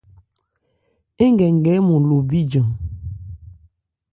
Ń gɛ nkɛ ɔ́nmɔn lo bijan.